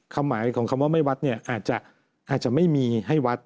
คำหมายของคำว่าไม่วัดอาจจะไม่มีให้วัด